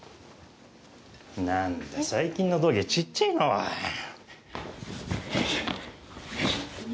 なんだ、最近の道着はちっちゃいな、おい。